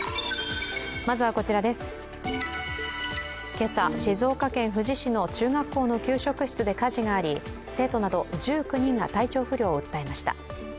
今朝、静岡県富士市の中学校の給食室で火事があり、生徒など１９人が体調不良を訴えました。